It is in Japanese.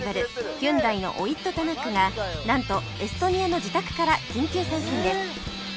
ヒュンダイのオイット・タナックがなんとエストニアの自宅から緊急参戦です